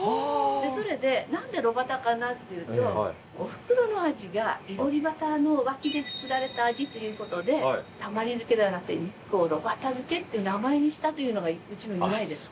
それでなんでろばたかなっていうとおふくろの味が囲炉裏ばたの脇で作られた味という事でたまり漬けではなくて「日光ろばたづけ」って名前にしたというのがうちの由来です。